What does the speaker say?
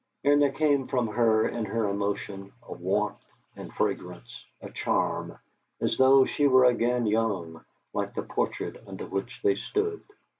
And there came from her in her emotion a warmth and fragrance, a charm, as though she were again young, like the portrait under which they stood.